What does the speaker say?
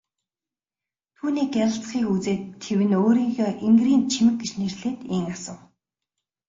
Түүний гялалзахыг үзээд тэвнэ өөрийгөө энгэрийн чимэг гэж нэрлээд ийн асуув.